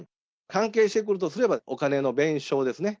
関係してくるとすれば、お金の弁償ですね。